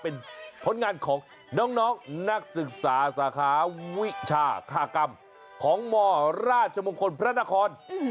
เป็นผลงานของน้องนักศึกษาสาขาวิชาคากรรมของมราชมงคลพระนคร